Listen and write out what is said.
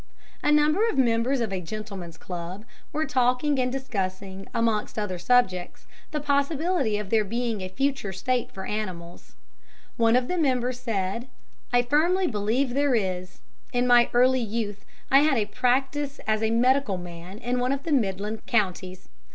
"A number of members of a gentleman's club were talking and discussing, amongst other subjects, the possibility of there being a future state for animals. One of the members said: "'I firmly believe there is. In my early youth I had a practice as a medical man in one of the Midland Counties.